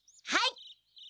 はい！